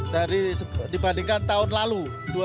dibandingkan tahun lalu dua ribu lima belas